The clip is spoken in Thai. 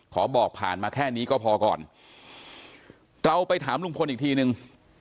บอกผ่านมาแค่นี้ก็พอก่อนเราไปถามลุงพลอีกทีนึง